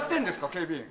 警備員。